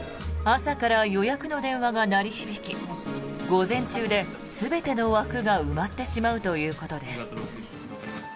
朝から予約の電話が鳴り響き午前中で全ての枠が埋まってしまうということです。